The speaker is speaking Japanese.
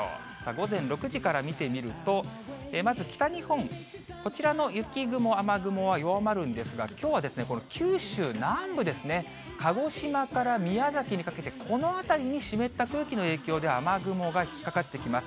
午前６時から見てみると、まず北日本、こちらの雪雲、雨雲は弱まるんですが、きょうはこの九州南部ですね、鹿児島から宮崎にかけてこの辺りに湿った空気の影響で、雨雲が引っ掛かってきます。